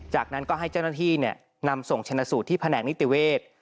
จากนั้นก็ให้เจ้าหน้าที่นำส่งชนะสูตรที่แผนกนิติเวศ